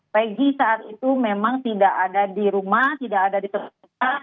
pagi saat itu memang tidak ada di rumah tidak ada di tempat